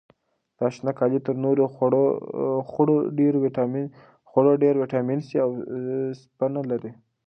دا شنه کالي تر نورو خوړو ډېر ویټامین سي او وسپنه لري.